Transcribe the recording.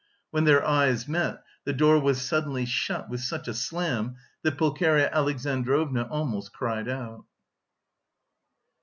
When their eyes met, the door was suddenly shut with such a slam that Pulcheria Alexandrovna almost cried out.